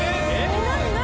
何？